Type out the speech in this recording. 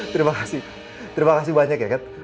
terima kasih terima kasih banyak ya kan